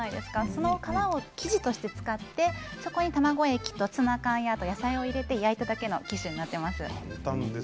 その皮を生地として使ってそこに卵液とツナ缶や野菜を入れて焼いただけのキッシュになっています。